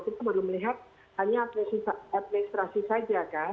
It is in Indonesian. kita baru melihat hanya administrasi saja kan